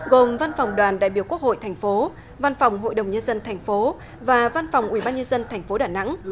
gồm văn phòng đoàn đại biểu quốc hội tp văn phòng hội đồng nhân dân tp và văn phòng ubnd tp đà nẵng